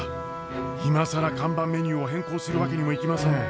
今更看板メニューを変更するわけにもいきません。